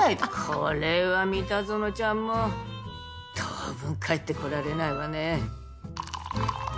これは三田園ちゃんも当分帰ってこられないわね。